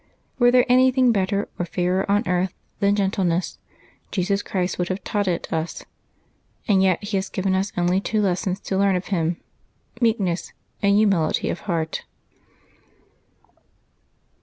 Were there anything better or fairer on earth than gentleness, Jesus Christ would have taught it us; and yet He has given us onl}^ two lessons to learn of Him — meekness and humility of heart."